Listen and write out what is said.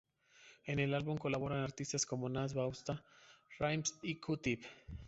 En el álbum colaboran artistas como Nas, Busta Rhymes y Q-Tip.